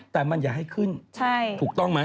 แต่มันอย่าให้ขึ้นถูกต้องไหม